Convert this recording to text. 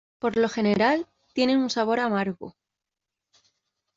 Por lo general, tienen un sabor amargo.